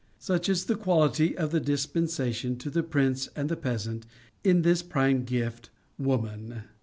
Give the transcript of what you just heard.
Such is the equality of the dispensation, to the prince and the peasant, in this prime gift WOMAN.